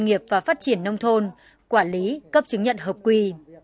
công ty cổ phần sản xuất và phát triển nông thôn quản lý cấp chứng nhận hợp quy